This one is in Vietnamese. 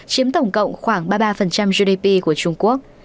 chiếm tổng cộng khoảng ba mươi ba gdp của trung quốc